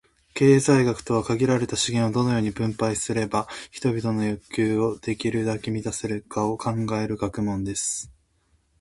経済学とは、「限られた資源を、どのように分配すれば人々の欲求をできるだけ満たせるか」を考える学問です。